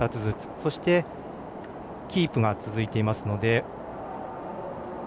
そして、キープが続いています。